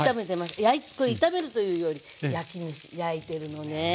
これ炒めるというより焼きめし焼いてるのね。